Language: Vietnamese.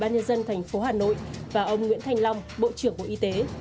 bản nhân dân thành phố hà nội và ông nguyễn thành long bộ trưởng bộ y tế